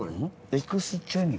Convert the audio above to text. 「エクスチェンジ」？